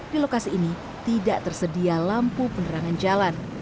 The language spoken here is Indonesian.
di lokasi ini tidak tersedia lampu penerangan jalan